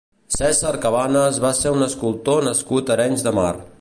Cèsar Cabanes va ser un escultor nascut a Arenys de Mar.